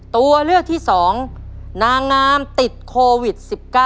ตัวเลือกที่๒นางงามติดโควิด๑๙